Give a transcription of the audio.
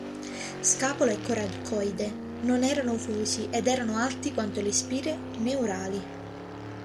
Scapola e coracoide non erano fusi, ed erano alti quanto le spine neurali.